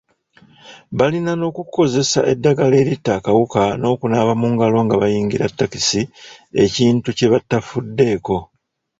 Balina n’okukuzesa eddagala eritta akawuka, n’okunaaba mu ngalo nga bayingira takisi ekintu kye batafuddeko.